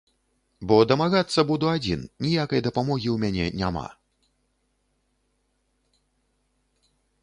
Бо дамагацца буду адзін, ніякай дапамогі ў мяне няма.